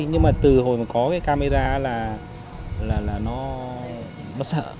nhưng mà từ hồi mà có cái camera là nó sợ